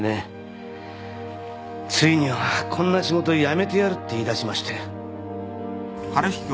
ついには「こんな仕事辞めてやる」って言いだしまして。